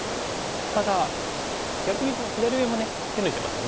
ただ逆にいうと左上も手抜いてますよね。